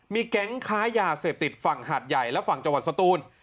แก๊งค้ายาเสพติดฝั่งหาดใหญ่และฝั่งจังหวัดสตูน